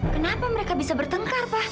kenapa mereka bisa bertengkar pak